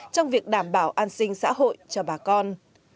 trong việc đảm bảo an sinh xã hội cho bà con